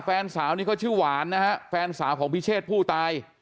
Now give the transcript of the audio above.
แฟนสาวนี้เขาชื่อหวานนะฮะแฟนสาวของพิเชษผู้ตาย